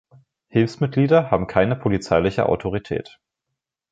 Hilfsmitglieder haben keine polizeiliche Autorität.